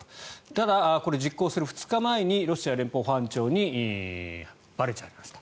ただ、実行する２日前にロシア連邦保安庁にばれちゃいました。